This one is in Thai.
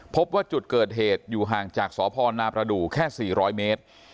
พบว่าจุดเกิดเหตุอยู่ห่างจากสพนาประดูกแค่๔๐๐เมตร